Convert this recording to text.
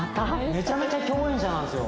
めちゃめちゃ共演者なんですよ。